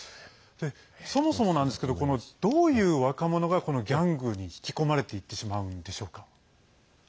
そもそもなんですけどどういう若者がギャングに引き込まれていってしまうんでしょうか。